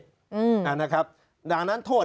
อืมนะครับดังนั้นโทษ